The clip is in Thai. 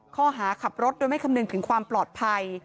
ข้อหาขับรถโดยไม่คำนึงถึงความปลอดภัย